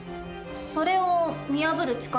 それを見破る力も。